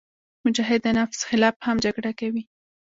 مجاهد د نفس خلاف هم جګړه کوي.